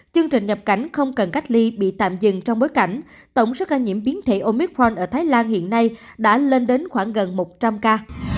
chương trình nhập cảnh không cần cách ly bị tạm dừng trong bối cảnh tổng số ca nhiễm biến thể omicron ở thái lan hiện nay đã lên đến khoảng gần một trăm linh ca